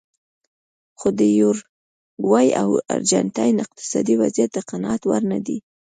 خو د یوروګوای او ارجنټاین اقتصادي وضعیت د قناعت وړ نه دی.